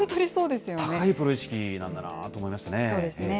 高いプロ意識なんだなと思いそうですね。